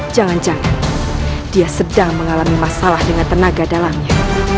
jangan jangan dia sedang mengalami masalah dengan tenaga dalamnya